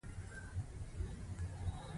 هغه ﷺ رښتینی، مهربان او بردباره و.